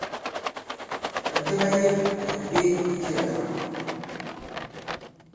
Ɓànjɛ ɓa yek àyì mbe i jiā fa?